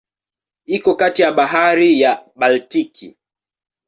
Iko kati ya Bahari ya Baltiki.